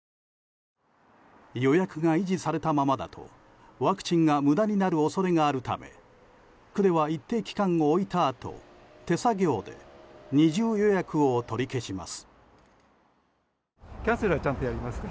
予約が維持されたままだとワクチンが無駄になる恐れがあるため区では一定期間を置いたあと手作業で二重予約を取り消します。